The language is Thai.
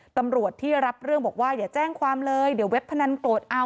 ตำรวจที่รับเรื่องบอกว่าอย่าแจ้งความเลยเดี๋ยวเว็บพนันโกรธเอา